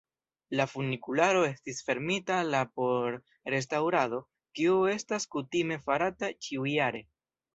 La funikularo estis fermita la por restaŭrado, kio estas kutime farata ĉiujare.